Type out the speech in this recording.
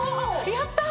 やったあ！